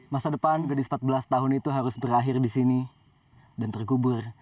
masa depan gadis empat belas tahun itu harus berakhir di sini dan terkubur